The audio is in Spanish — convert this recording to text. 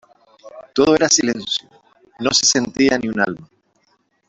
Todo era silencio, no se sentía ni un alma.